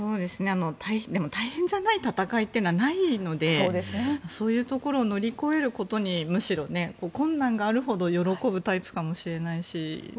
でも、大変じゃない戦いというのはないのでそういうところを乗り越えることにむしろ困難があるほど喜ぶタイプかもしれないし。